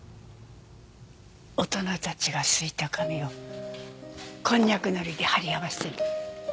大人たちが漉いた紙をコンニャクのりで貼り合わせる。